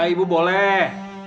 iya ibu boleh